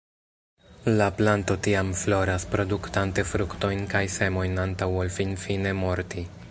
La planto tiam floras, produktante fruktojn kaj semojn antaŭ ol finfine morti.